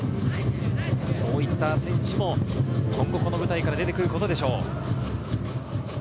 そういった選手も今後、この舞台から出てくることでしょう。